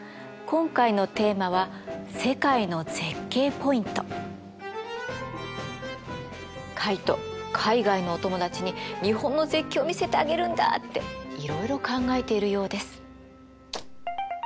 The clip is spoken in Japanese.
今回のテーマはカイト海外のお友達に日本の絶景を見せてあげるんだっていろいろ考えているようです。